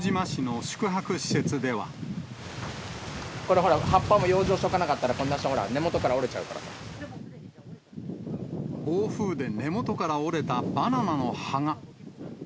これ、ほら、葉っぱも養生しておかなかったら、こんなして、根元から折れちゃう暴風で根元から折れたバナナの葉が。